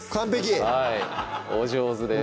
はいお上手です